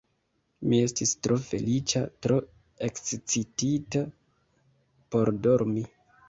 Mi estis tro feliĉa, tro ekscitita por dormi.